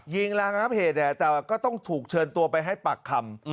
งรางับเหตุแต่ก็ต้องถูกเชิญตัวไปให้ปากคำ